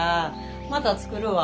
また作るわ。